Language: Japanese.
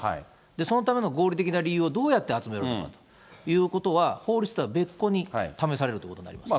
そのための合理的な理由をどうやって集めるかということは、法律とは別個に試されるということになります。